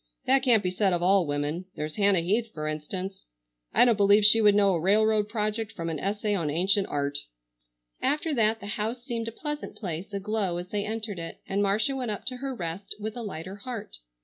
That can't be said of all women. There's Hannah Heath, for instance. I don't believe she would know a railroad project from an essay on ancient art." After that the house seemed a pleasant place aglow as they entered it, and Marcia went up to her rest with a lighter heart.